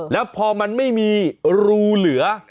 แล้วพอมันไม่มีรูเหลือ